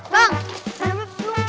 bang cari lu belum bang